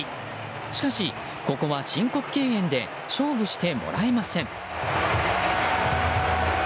しかし、ここは申告敬遠で勝負してもらえません。